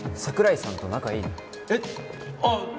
桜井さんと仲いいの？